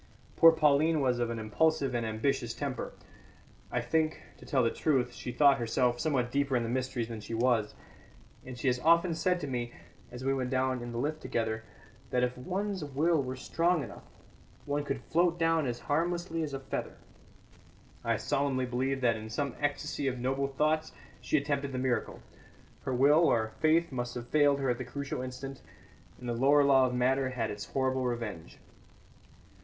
Poor Pauline was of an impulsive and ambitious temper. I think, to tell the truth, she thought herself somewhat deeper in the mysteries than she was; and she has often said to me, as we went down in the lift together, that if one's will were strong enough, one could float down as harmlessly as a feather. I solemnly believe that in some ecstasy of noble thoughts she attempted the miracle. Her will, or faith, must have failed her at the crucial instant, and the lower law of matter had its horrible revenge.